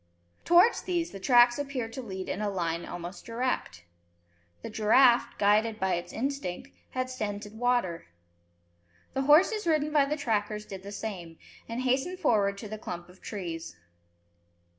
Towards these the tracks appeared to lead in a line almost direct. The giraffe, guided by its instinct, had scented water. The horses ridden by the trackers did the same, and hastened forward to the clump of trees.